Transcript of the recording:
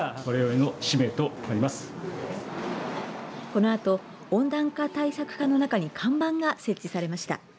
このあと温暖化対策課の中に看板が設置されました。